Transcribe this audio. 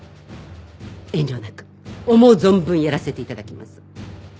遠慮なく思う存分やらせて頂きます。